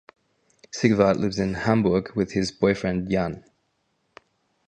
Sigwart lives in Hamburg with his boyfriend Jan.